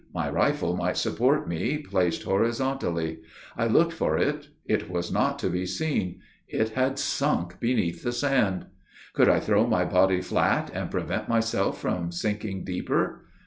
My rifle might support me, placed horizontally. I looked for it. It was not to be seen. It had sunk beneath the sand. Could I throw my body flat, and prevent myself from sinking deeper?